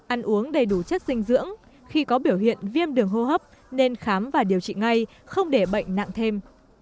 ăn uống đầy đủ chất dinh dưỡng khi có biểu hiện viêm đường hô hấp nên khám và điều trị ngay không để bệnh nặng thêm